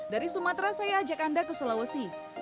dari sumatera saya ajak anda ke sulawesi